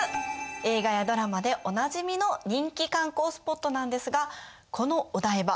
映画やドラマでおなじみの人気観光スポットなんですがこのお台場